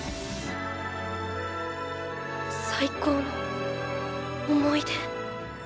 最高の思い出。